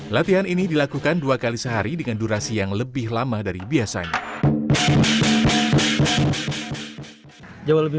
latihan ini dilakukan dua kali sehari dengan durasi yang lebih lama dari biasanya